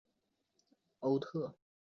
欧特伊人口变化图示